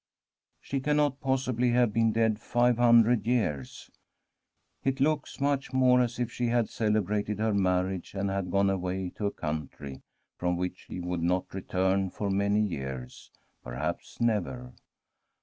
She cannot possibly have been dead five hun dred years. It looks much more as if she had celebrated her marriage, and had gone away to [259I From a SWEDISH HOMESTEAD a country from which she would not return for many years, perhaps never.